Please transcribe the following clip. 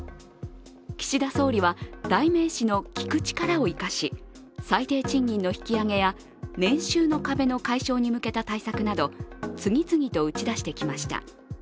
岸田総理は代名詞の聞く力を生かし最低賃金の引き上げや年収の壁の解消に向けた対策など次々と打ち出してきました。